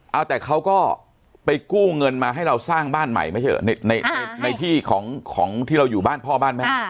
เอาแต่เขาก็ไปกู้เงินมาให้เราสร้างบ้านใหม่ไม่ใช่เหรอในที่ของที่เราอยู่บ้านพ่อบ้านแม่